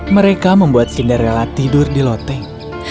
mereka membuat cinderella tidur di loteng